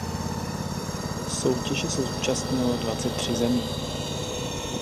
Soutěže se zúčastnilo dvacet tři zemí.